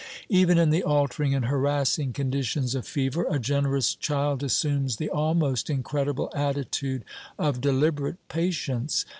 Even in the altering and harassing conditions of fever, a generous child assumes the almost incredible attitude of deliberate patience.